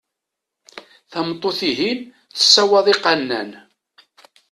Tameṭṭut-ihin tessawaḍ iqannan.